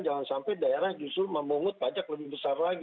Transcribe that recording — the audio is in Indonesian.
jangan sampai daerah justru memungut pajak lebih besar lagi